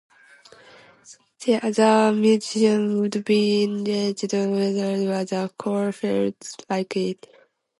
The other musicians would be engaged whenever the core felt like it.